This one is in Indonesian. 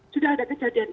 sudah ada kejadian